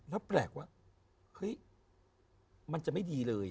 แล้วแปลกว่าเฮ้ยมันจะไม่ดีเลย